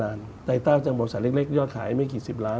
ตายเต้าจากบุกริษัตล์เล็กยอดขายไม่จีน๑๐ล้าน